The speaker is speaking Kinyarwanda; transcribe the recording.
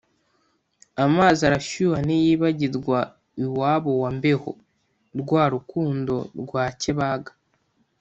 Amazi arashyuha ntiyibagirwa iwabo wa mbeho’…rwa rukundo rwakebaga